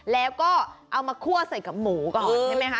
แล้วก็เอามาคั่วใส่กับหมูก่อนใช่ไหมคะ